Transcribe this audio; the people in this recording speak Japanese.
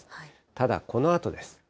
ただ、このあとです。